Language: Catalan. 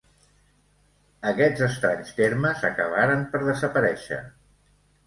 Aquests estranys termes acabaren per desaparèixer.